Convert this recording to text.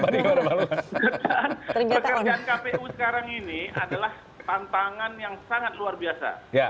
pekerjaan kpu sekarang ini adalah tantangan yang sangat luar biasa